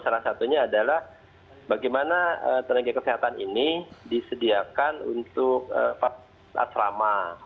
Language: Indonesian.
salah satunya adalah bagaimana tenaga kesehatan ini disediakan untuk asrama